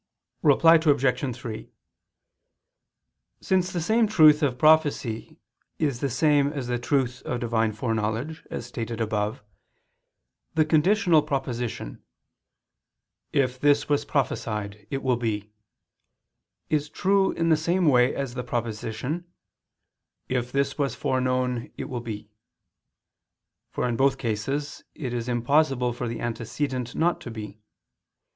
Reply Obj. 3: Since the same truth of prophecy is the same as the truth of Divine foreknowledge, as stated above, the conditional proposition: "If this was prophesied, it will be," is true in the same way as the proposition: "If this was foreknown, it will be": for in both cases it is impossible for the antecedent not to be.